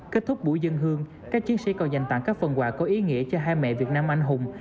kết thúc buổi dân hương các chiến sĩ còn dành tặng các phần quà có ý nghĩa cho hai mẹ việt nam anh hùng